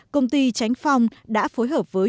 công ty tránh phong đã phối hợp với